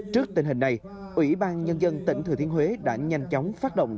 trước tình hình này ủy ban nhân dân tỉnh thừa thiên huế đã nhanh chóng phát động